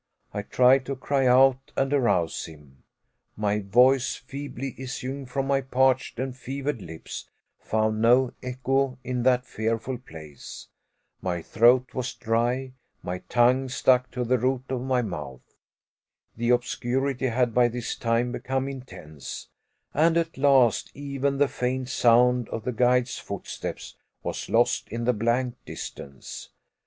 I tried to cry out, and arouse him. My voice, feebly issuing from my parched and fevered lips, found no echo in that fearful place. My throat was dry, my tongue stuck to the roof of my mouth. The obscurity had by this time become intense, and at last even the faint sound of the guide's footsteps was lost in the blank distance.